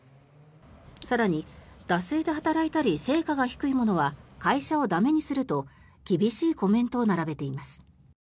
更に惰性で働いたり、成果が低い者は会社を駄目にすると厳しいコメントを並べています。